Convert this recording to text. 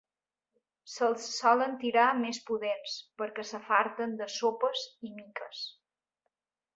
Se'ls solen tirar més pudents perquè s'afarten de sopes i miques.